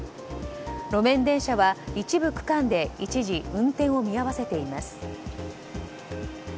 路面電車は一部区間で一時運転を見合わせています。